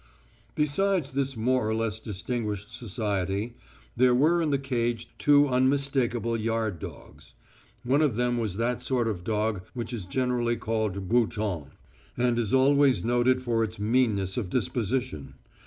Besides this more or less distinguished society, there were in the cage two unmistakable yard dogs. One of them was that sort of dog which is generally called Bouton, and is always noted for its meanness of disposition.